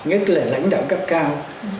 nhất là lãnh đạo cấp cao